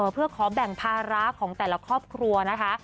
เพื่อขอแบ่งภาระของแต่ละครอบครัวนะคะ